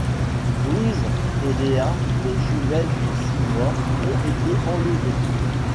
Louise et Léa, des jumelles de six mois ont été enlevées.